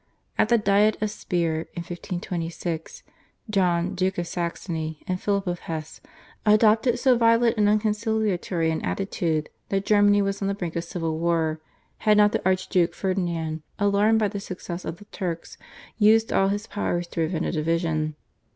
At the Diet of Speier, in 1526, John Duke of Saxony, and Philip of Hesse adopted so violent and unconciliatory an attitude that Germany was on the brink of civil war, had not the Archduke Ferdinand, alarmed by the success of the Turks, used all his powers to prevent a division.